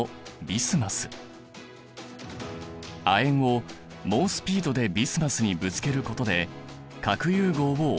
亜鉛を猛スピードでビスマスにぶつけることで核融合を起こす。